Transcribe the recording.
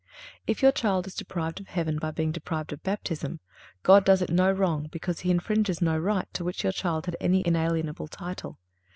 If your child is deprived of heaven by being deprived of Baptism, God does it no wrong because He infringes no right to which your child had any inalienable title.